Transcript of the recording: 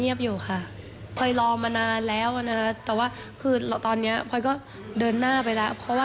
มีการติดต่อเข้ามาบ้างหรือเปล่ายังเลยค่ะ